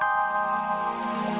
dedy jahat dedy jahat